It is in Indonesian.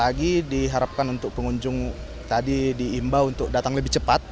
lagi diharapkan untuk pengunjung tadi di imbau untuk datang lebih cepat